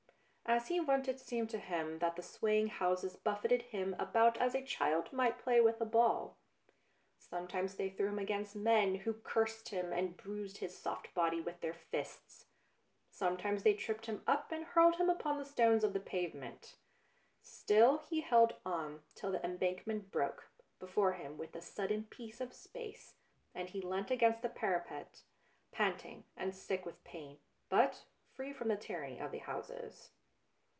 As he went it seemed to him that the swaying houses buffeted him about as a child might play with a ball. Sometimes they threw him against men, who cursed him and bruised his soft body with their fists. Some times they tripped him up and hurled him upon the stones of the pavement. Still he held on, till the Embankment broke before him with the sudden peace of space, and he leant against the parapet, panting and sick with pain, but free from the tyranny of the houses.